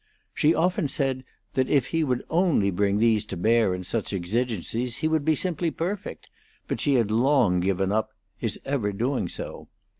She often said that if he would only bring these to bear in such exigencies he would be simply perfect; but she had long given up his ever doing so.